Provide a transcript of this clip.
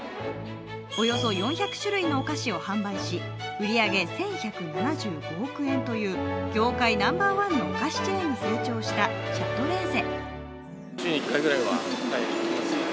およそ４００種類のお菓子を販売し、売り上げ１１７５億円という業界ナンバーワンのお菓子チェーンに成長したシャトレーゼ。